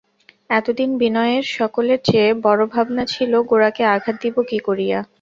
এতদিন বিনয়ের সকলের চেয়ে বড়ো ভাবনা ছিল, গোরাকে আঘাত দিব কী করিয়া।